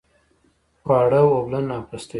خواړه اوبلن او پستوي.